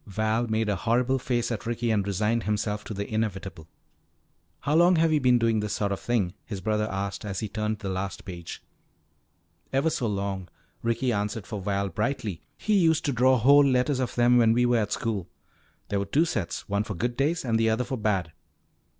Val made a horrible face at Ricky and resigned himself to the inevitable. "How long have you been doing this sort of thing?" his brother asked as he turned the last page. "Ever so long," Ricky answered for Val brightly. "He used to draw whole letters of them when we were at school. There were two sets, one for good days and the other for bad."